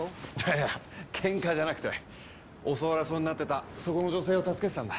いや喧嘩じゃなくて襲われそうになってたそこの女性を助けてたんだ。